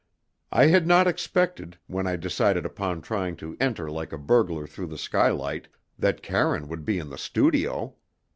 I had not expected, when I decided upon trying to enter like a burglar through the skylight, that Karine would be in the studio.